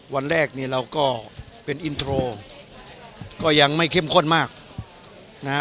วันแรกนี่เราก็เป็นอินโทรก็ยังไม่เข้มข้นมากนะฮะ